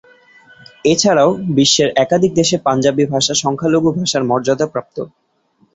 এছাড়াও বিশ্বের একাধিক দেশে পাঞ্জাবি ভাষা সংখ্যালঘু ভাষার মর্যাদাপ্রাপ্ত।